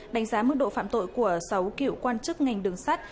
đánh giá mức độ phạm tội của sáu kiểu quan chức ngành đường sát